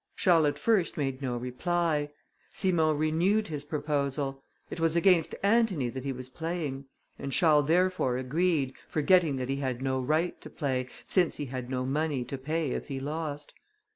Charles at first made no reply; Simon renewed his proposal: it was against Antony that he was playing, and Charles therefore agreed, forgetting that he had no right to play, since he had no money to pay if he lost.